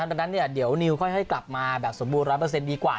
ดังนั้นเนี่ยเดี๋ยวนิวค่อยกลับมาแบบสมบูร๑๐๐ดีกว่า